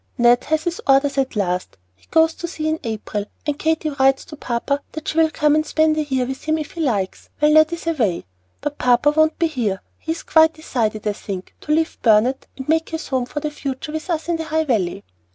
"Ned has his orders at last. He goes to sea in April, and Katy writes to papa that she will come and spend a year with him if he likes, while Ned is away. But papa won't be here. He has quite decided, I think, to leave Burnet and make his home for the future with us in the High Valley.